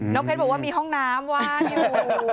เพชรบอกว่ามีห้องน้ำว่างอยู่